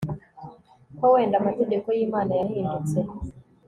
ko wenda amategeko y'imana yahindutse